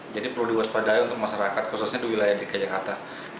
jadi perlu diwaspadai untuk masyarakat khususnya di wilayah di kajakarta